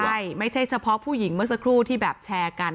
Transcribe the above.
ใช่ไม่ใช่เฉพาะผู้หญิงเมื่อสักครู่ที่แบบแชร์กัน